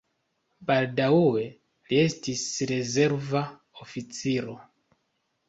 Baldaŭe li estis rezerva oficiro.